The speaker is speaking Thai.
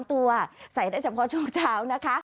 ตัวใส่ได้เฉพาะช่วงเช้านะคะ